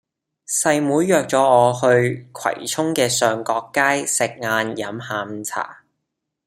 細妹約左我去葵涌嘅上角街食晏飲下午茶